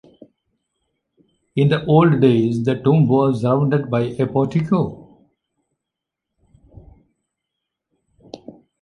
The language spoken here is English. in the old days the tomb was surrounded by a portico.